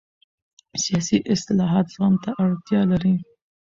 سیاسي اصلاحات زغم ته اړتیا لري